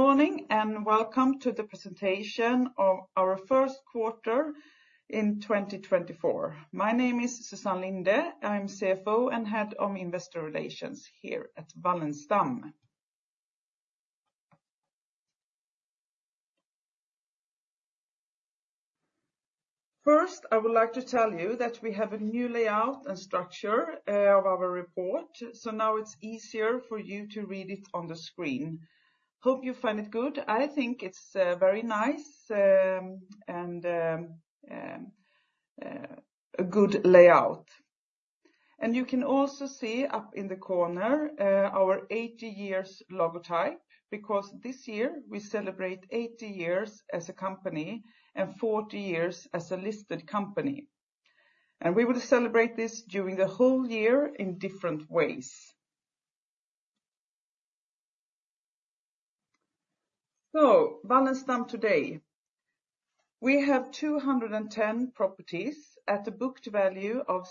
Morning and welcome to the presentation of our Q1 2024. My name is Susann Linde. I'm CFO and Head of Investor Relations here at Wallenstam. First, I would like to tell you that we have a new layout and structure of our report. Now it's easier for you to read it on the screen. Hope you find it good. I think it's very nice and a good layout. You can also see up in the corner our 80-year logotype, because this year we celebrate 80 years as a company and 40 years as a listed company. We will celebrate this during the whole year in different ways. Wallenstam today. We have 210 properties at a booked value of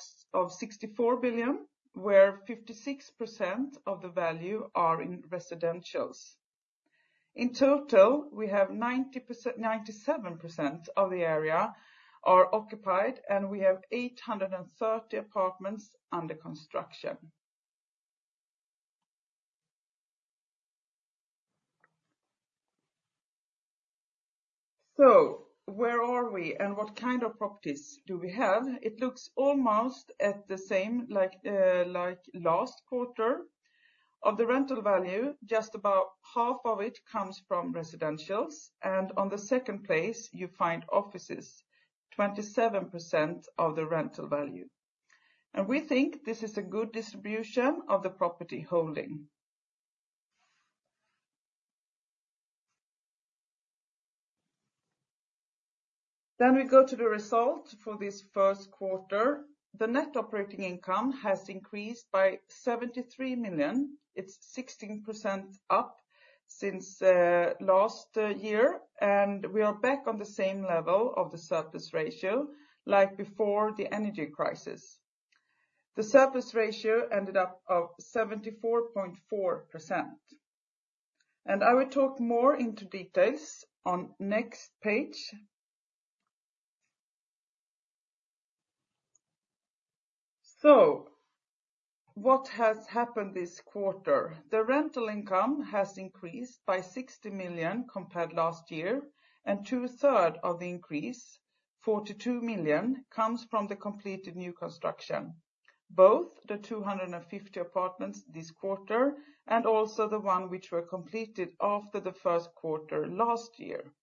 64 billion, where 56% of the value are in residentials. In total, we have 97% of the area are occupied, and we have 830 apartments under construction. Where are we and what kind of properties do we have? It looks almost at the same like last quarter. Of the rental value, just about half of it comes from residentials, and on the second place, you find offices, 27% of the rental value. We think this is a good distribution of the property holding. We go to the result for this Q1. The net operating income has increased by 73 million. It's 16% up since last year, and we are back on the same level of the surplus ratio like beföre the energy crisis. The surplus ratio ended up of 74.4%. I will talk möre into details on next page. What has happened this quarter? The rental income has increased by 60 million compared last year, and two-third of the increase, 42 million, comes from the completed new construction, both the 250 apartments this quarter and also the one which were completed after the Q1 last year.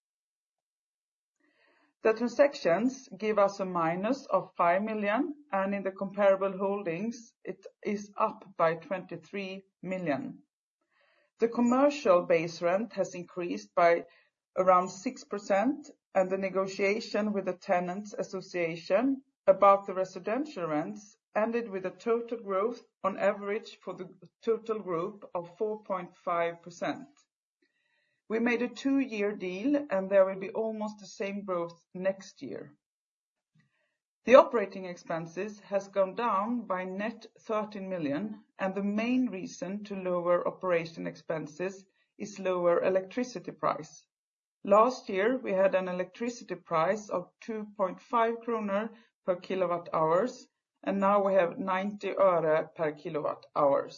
The transactions give us a minus of 5 million, and in the comparable holdings, it is up by 23 million. The commercial base rent has increased by around 6%, and the negotiation with the tenants association about the residential rents ended with a total growth on average for the total group of 4.5%. We made a two-year deal, and there will be almost the same growth next year. The operating expenses has gone down by net 13 million, and the main reason to lower operating expenses is lower electricity price. Last year, we had an electricity price of 2.5 kronor per kilowatt-hour, and now we have 90 öre per kilowatt-hour.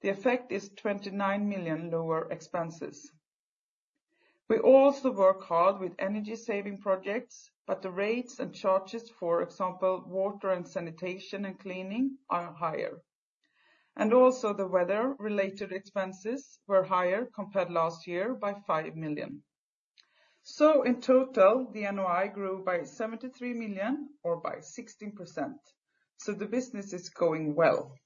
The effect is 29 million lower expenses. We also work hard with energy saving projects, but the rates and charges, for example, water and sanitation and cleaning, are higher. Also the weather-related expenses were higher compared last year by 5 million. In total, the NOI grew by 73 million or by 16%. The business is going well.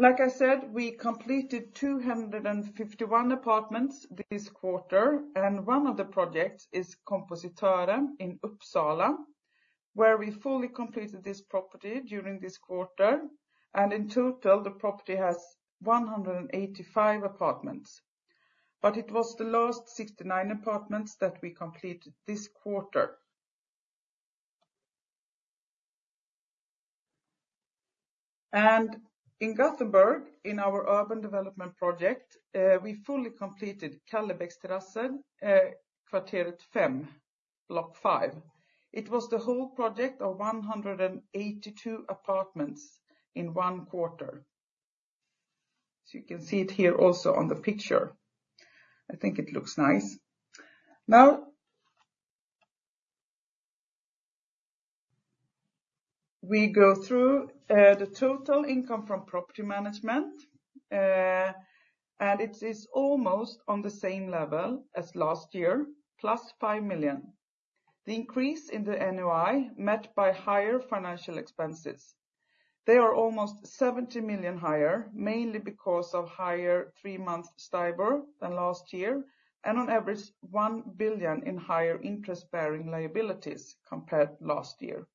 Like I said, we completed 251 apartments this quarter, and one of the projects is Kompositören in Uppsala, where we fully completed this property during this quarter. In total, the property has 185 apartments. It was the last 69 apartments that we completed this quarter. In Gothenburg, in our urban development project, we fully completed Kallebäcks Terrassen, Kvarteret 5, Block 5. It was the whole project of 182 apartments in 1 quarter. You can see it here also on the picture. I think it looks nice. Now, we go through the total income from property management, it is almost on the same level as last year, plus 5 million. The increase in the NOI met by higher financial expenses. They are almost 70 million higher, mainly because of higher three-month STIBOR than last year, and on average, 1 billion in higher interest-bearing liabilities compared to last year.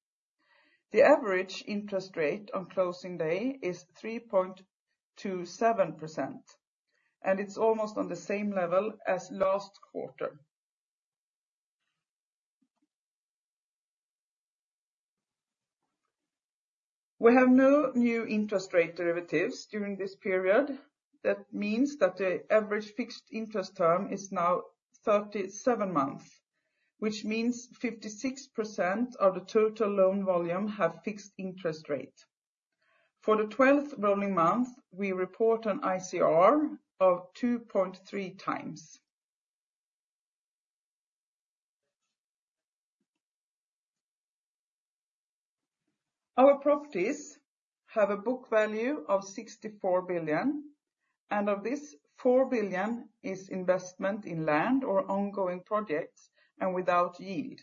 The average interest rate on closing day is 3.27%, it's almost on the same level as last quarter. We have no new interest rate derivatives during this period. That means that the average fixed interest term is now 37 months, which means 56% of the total loan volume have fixed interest rate. For the 12th rolling month, we report an ICR of 2.3x. Our properties have a book value of 64 billion, of this, 4 billion is investment in land or ongoing projects and without yield.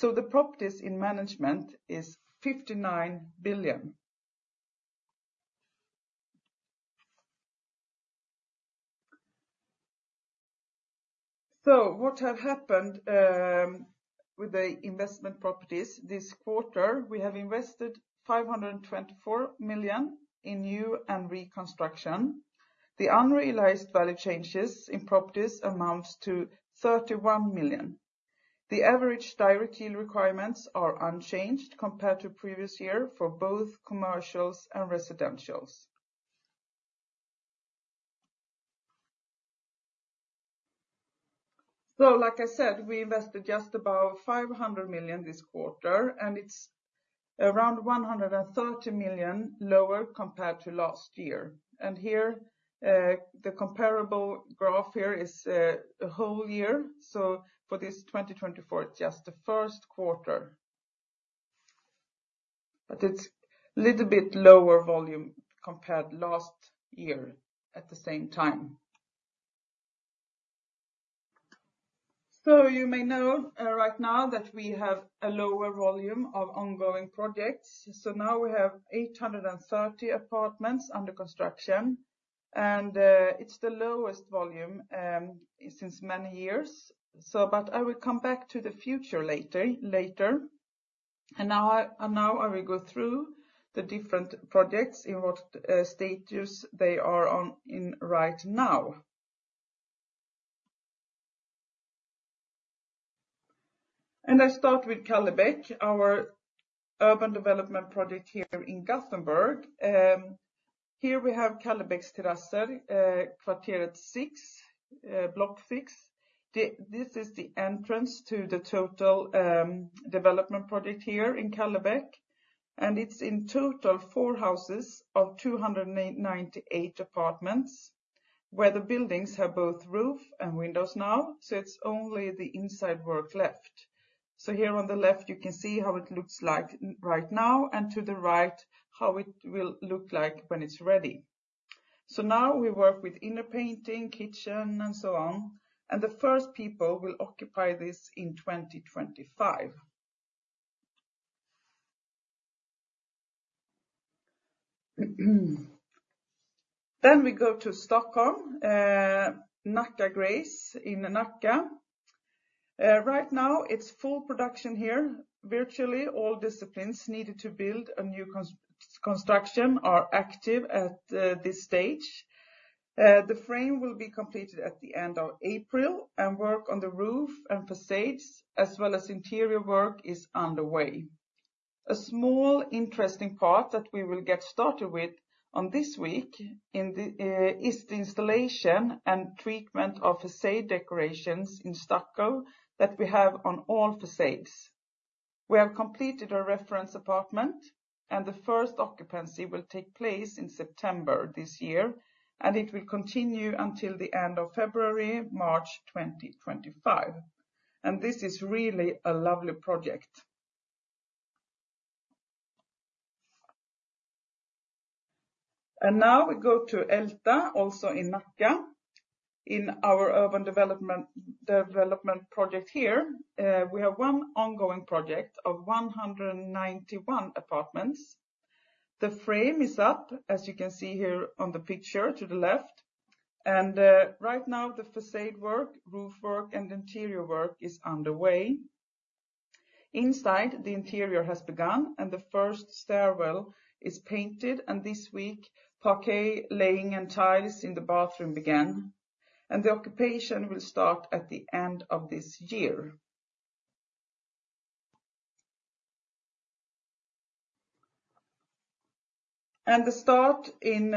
The properties in management is SEK 59 billion. What have happened with the investment properties this quarter? We have invested 524 million in new and reconstruction. The unrealized value changes in properties amounts to 31 million. The average direct yield requirements are unchanged compared to previous year for both commercials and residentials. Like I said, we invested just about 500 million this quarter, it's around 130 million lower compared to last year. Here, the comparable graph here is a whole year. For this 2024, just the Q1. It's little bit lower volume compared last year at the same time. You may know, right now that we have a lower volume of ongoing projects. Now we have 830 apartments under construction, and it's the lowest volume since many years. I will come back to the future later. Now I will go through the different projects in what stages they are in right now. I start with Kallebäck, our urban development project here in Gothenburg. Here we have Kallebäcks Terrasser, Kvarteret 6, block 6. This is the entrance to the total development project here in Kallebäck. It's in total four houses of 298 apartments, where the buildings have both roof and windows now. It's only the inside work left. Here on the left, you can see how it looks like right now. To the right, how it will look like when it's ready. Now we work with inner painting, kitchen, and so on. The first people will occupy this in 2025. We go to Stockholm, Grace in Nacka. Right now, it's full production here. Virtually all disciplines needed to build a new construction are active at this stage. The frame will be completed at the end of April. Work on the roof and facades, as well as interior work is underway. A small interesting part that we will get started with on this week in the is the installation and treatment of facade decorations in stucco that we have on all facades. We have completed our reference apartment, and the first occupancy will take place in September this year, and it will continue until the end of February-March 2025, and this is really a lovely project. Now we go to Älta, also in Nacka. In our urban development project here, we have one ongoing project of 191 apartments. The frame is up, as you can see here on the picture to the left. Right now, the façade work, roof work, and interior work is underway. Inside, the interior has begun, and the first stairwell is painted, and this week, parquet laying and tiles in the bathroom began, and the occupation will start at the end of this year. The start in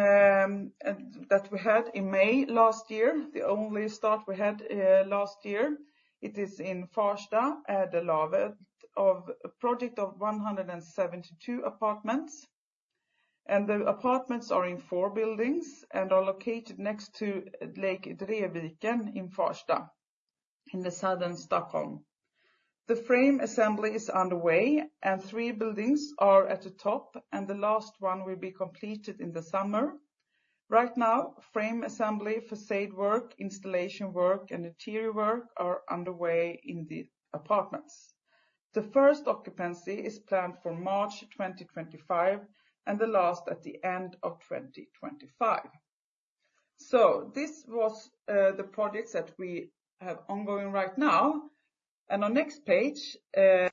that we had in May last year, the only start we had last year, it is in Farsta at the Ädellövet project of 172 apartments. The apartments are in four buildings and are located next to Drevviken in Farsta in the southern Stockholm. The frame assembly is underway, and three buildings are at the top, and the last one will be completed in the summer. Right now, frame assembly, facade work, installation work, and interior work are underway in the apartments. The first occupancy is planned for March 2025, and the last at the end of 2025. This was the projects that we have ongoing right now. On next page, it's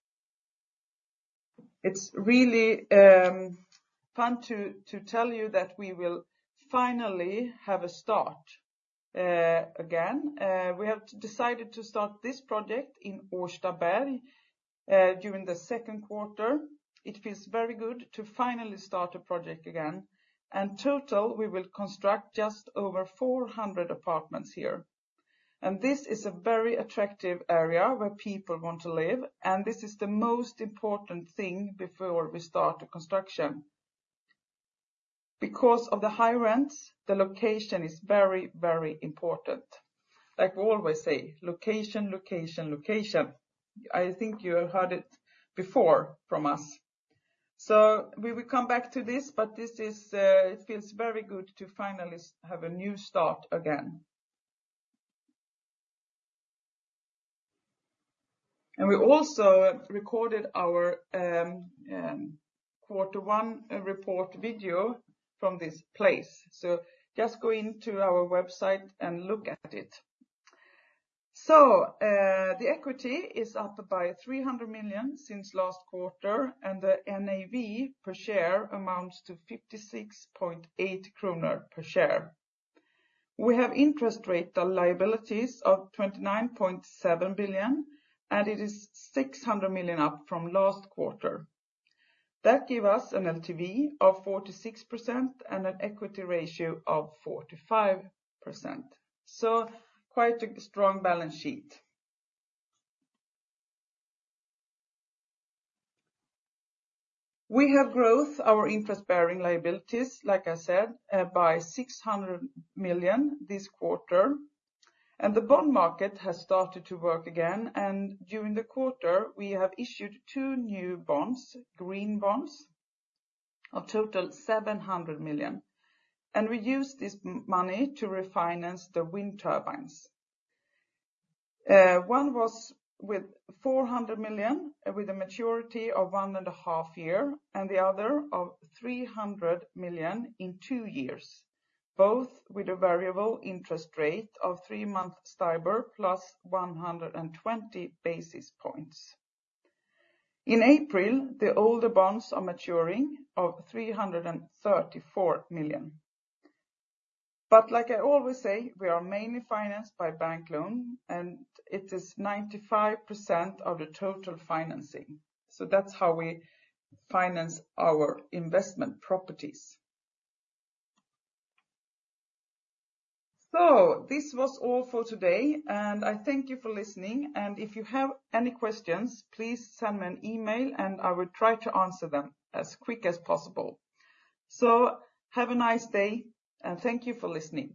really fun to tell you that we will finally have a start. Again, we have decided to start this project in Årstaberg during the Q2. It feels very good to finally start a project again. Total, we will construct just over 400 apartments here. This is a very attractive area where people want to live, and this is the most important thing beföre we start the construction. Because of the high rents, the location is very, very important. Like we always say, location, location. I think you have heard it beföre from us. We will come back to this, but this is, it feels very good to finally have a new start again. We also recorded our Q1 report video from this place. Please visit our website to watch it. Equity increased by 300 million compared with last quarter, and the NAV per share amounts to 56.8 kronor per share. Our interest-bearing liabilities total 29.7 billion, which is 600 million up from last quarter. That give us an LTV of 46% and an equity ratio of 45%. Quite a strong balance sheet. We have grown our interest-bearing liabilities, like I said, by 600 million this quarter, and the bond market has started to work again, and during the quarter, we have issued two new bonds, green bonds, a total 700 million. We use this money to refinance the wind turbines. We issued two bonds one was with 400 million with a maturity of 1.5 years, and another of 300 million maturity of two years. Both carry a variable interest rate of three-month STIBOR plus 120 basis points. In April, older bonds totaling 334 million will mature. Like I always say, we are mainly financed by bank loan, and it is 95% of our total financing. That's how we finance our investment properties. This was all for today, and I thank you for listening. If you have any questions, please send me an email, and I will try to answer them as quick as possible. Have a nice day, and thank you for listening.